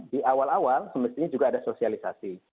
di awal awal semestinya juga ada sosialisasi